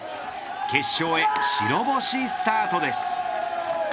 決勝へ白星スタートです。